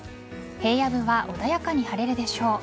平野部は穏やかに晴れるでしょう。